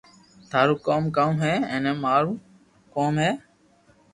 ٿارو ڪوم ڪاو ھي ايئي مارو ڪوم ھي